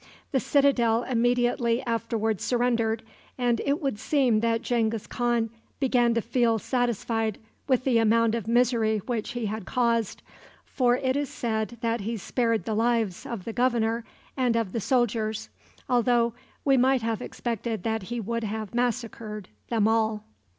The citadel immediately afterward surrendered, and it would seem that Genghis Khan began to feel satisfied with the amount of misery which he had caused, for it is said that he spared the lives of the governor and of the soldiers, although we might have expected that he would have massacred them all.